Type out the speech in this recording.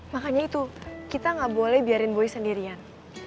makanya itu kita gak boleh biarin boy sendirian